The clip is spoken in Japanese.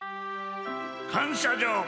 「かんしゃじょう。